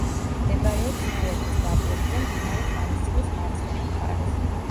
მდებარეობს იმერეთის დაბლობზე, მდინარე ხანისწყლის მარცხენა მხარეს.